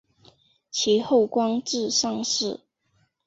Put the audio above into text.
其后官至上士。